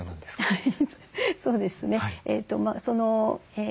はい。